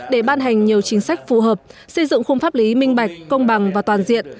để ban hành nhiều chính sách phù hợp xây dựng khung pháp lý minh bạch công bằng và toàn diện